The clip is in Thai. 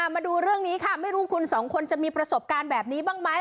มาดูเรื่องนี้ค่ะไม่รู้คุณสองคนจะมีประสบการณ์แบบนี้บ้างไหม